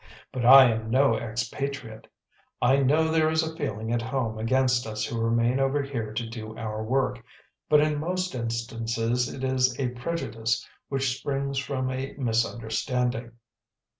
But I am no "expatriate." I know there is a feeling at home against us who remain over here to do our work, but in most instances it is a prejudice which springs from a misunderstanding.